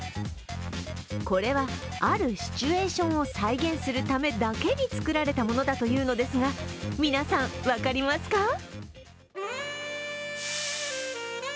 これは、あるシチュエーションを再現するためだけに作られたものだというのですが、皆さん、分かりますか？